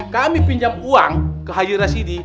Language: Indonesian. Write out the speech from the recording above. kami pinjam uang ke haji rasidi